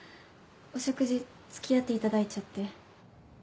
お食事つきあっていただいちゃって。